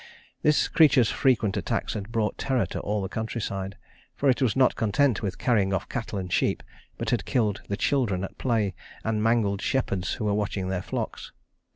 This creature's frequent attacks had brought terror to all the countryside, for it was not content with carrying off cattle and sheep, but had killed the children at play, and mangled shepherds who were watching with their flocks.